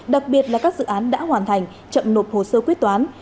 đặc biệt là các dự án đã hoàn thành chậm nộp hồ sơ quyết toán